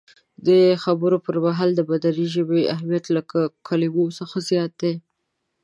د خبرو پر مهال د بدن ژبې اهمیت له کلمو څخه زیات دی.